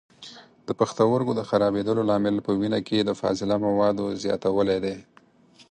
د پښتورګو د خرابېدلو لامل په وینه کې د فاضله موادو زیاتولی دی.